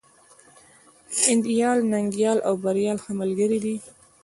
انديال، ننگيال او بريال ښه ملگري دي.